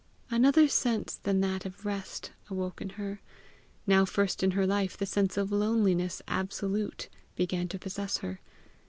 Another sense than that of rest awoke in her; now first in her life the sense of loneliness absolute began to possess her.